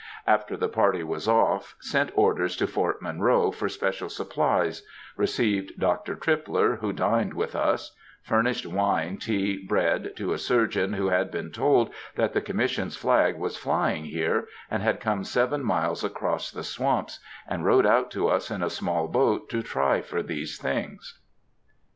After the party was off, sent orders to Fort Monroe for special supplies; received Dr. Tripler, who dined with us; furnished wine, tea, bread, to a surgeon who had been told that the Commission's flag was flying here, and had come seven miles across the swamps, and rowed out to us in a small boat to try for these things.